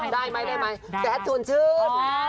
ได้ไหมแจ๊ดชวนชื่น